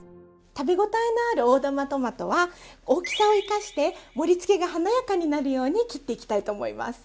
食べごたえのある大玉トマトは大きさを生かして盛りつけが華やかになるように切っていきたいと思います。